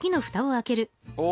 お！